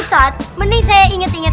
jadi ada asap kebal banget